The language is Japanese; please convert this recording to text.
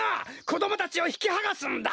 こどもたちをひきはがすんだ！